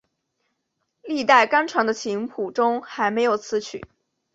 历代刊传的琴谱中还没有此曲。